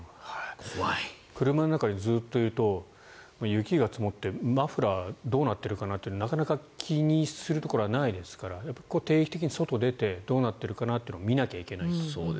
車の中でずっといると雪が積もってマフラーどうなっているかなってなかなか気にするところはないですから、定期的に外に出てどうなっているかなって見ないといけないと。